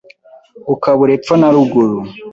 ukabura epfo na ruguru.